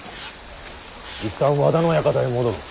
一旦和田の館へ戻ろう。